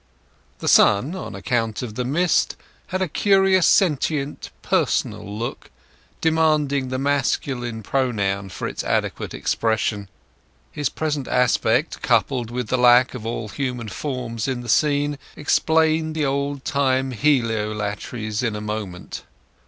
The sun, on account of the mist, had a curious sentient, personal look, demanding the masculine pronoun for its adequate expression. His present aspect, coupled with the lack of all human forms in the scene, explained the old time heliolatries in a moment.